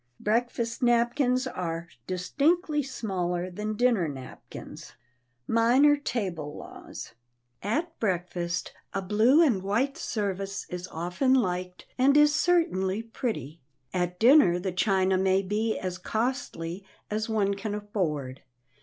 Breakfast napkins are distinctly smaller than dinner napkins. [Sidenote: MINOR TABLE LAWS] At breakfast a blue and white service is often liked and is certainly pretty. At dinner the china may be as costly as one can afford.